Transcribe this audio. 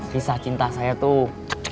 kisah cinta saya tuh